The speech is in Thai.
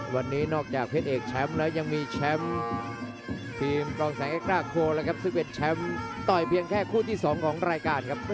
วันนี้นอกจากเพชรเอกแชมป์แล้วยังมีแชมป์ทีมกองแสงเอกด้าโคแล้วครับซึ่งเป็นแชมป์ต่อยเพียงแค่คู่ที่๒ของรายการครับ